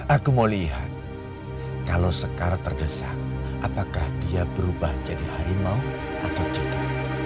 aku mau lihat kalau sekarang terdesak apakah dia berubah jadi harimau atau cinta